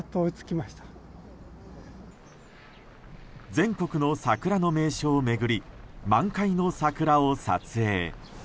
全国の桜の名所を巡り満開の桜を撮影。